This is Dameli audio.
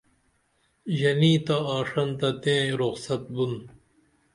ژنی تہ آڜنتہ تئیں رخصت بُن